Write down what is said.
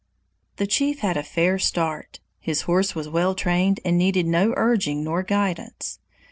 The chief had a fair start; his horse was well trained and needed no urging nor guidance.